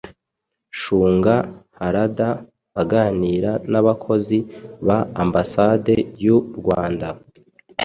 Shunga Harada aganira n'abakozi ba Ambasade y'u Rwanda